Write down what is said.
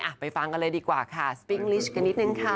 ไปฟังกันเลยดีกว่าค่ะสปิ๊งลิชกันนิดนึงค่ะ